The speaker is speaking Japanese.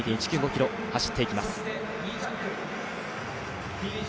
ｋｍ、走って行きます。